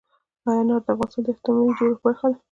انار د افغانستان د اجتماعي جوړښت برخه ده.